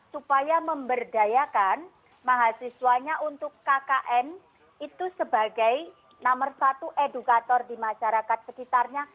supaya memberdayakan mahasiswanya untuk kkn itu sebagai nomor satu edukator di masyarakat sekitarnya